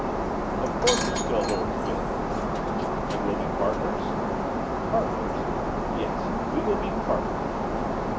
'Of course it still holds good.' 'And we'll be partners.' 'Partners? Yes, we will be partners.